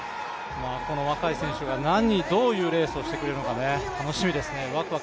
この若い選手がどういうレースをしてくるのか楽しみですね